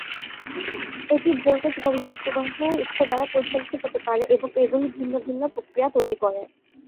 এটি ভোল্টেজ বা বিদ্যুৎ প্রবাহ উৎস দ্বারা চালিত হতে পারে এবং এগুলি ভিন্ন ভিন্ন প্রতিক্রিয়া তৈরি করবে।